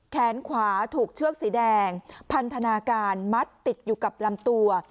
แขนขวาถูกเชือกสีแดงพันธนาการมัดติดอยู่กับลำตัว